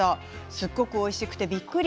すごくおいしくてびっくり。